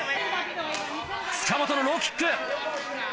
塚本のローキック。